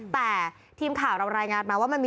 แต่ทีมข่าวเรารายงานมาว่ามันมี